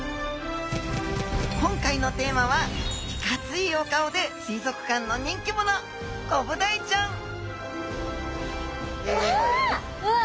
今回のテーマはいかついお顔で水族館の人気者コブダイちゃん！わ！